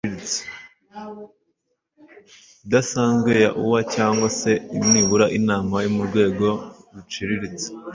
idasanzwe ya oua cyangwa se nibura inama yo mu rwego ruciriritse.